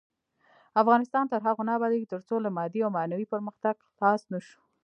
افغانستان تر هغو نه ابادیږي، ترڅو له مادي او معنوي پرمختګ خلاص نشو.